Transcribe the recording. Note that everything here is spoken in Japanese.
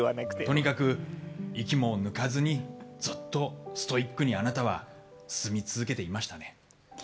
とにかく息も抜かずにずっとストイックにあなたは進み続けていましたね。